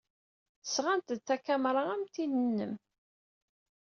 Sɣant-d takamra am tin-nnem.